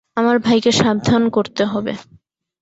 আমার ভাইকে সাবধান করতে হবে।